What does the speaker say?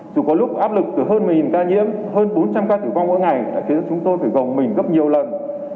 dù có lúc áp lực từ hơn một mươi ca nhiễm hơn bốn trăm linh ca tử vong mỗi ngày đã khiến chúng tôi phải gọi bệnh